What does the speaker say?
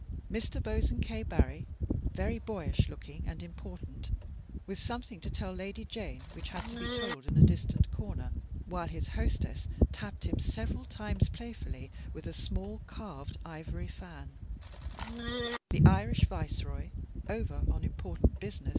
Mr. Bosanquet Barry, very pink and white and important, with something to tell Lady Jane which had to be told in a distant corner, while his hostess tapped him several times playfully with a small carved ivory fan ; the Irish Viceroy, over on important busi!